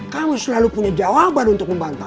kamu selalu punya jawaban untuk membantah